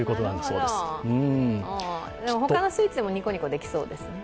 ほかのスイーツでもニコニコできそうですね。